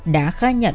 đã khai nhận